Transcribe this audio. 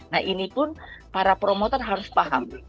nah ini pun para promotor harus paham